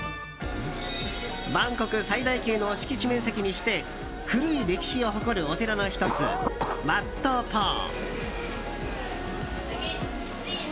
バンコク最大級の敷地面積にして古い歴史を誇るお寺の１つワット・ポー。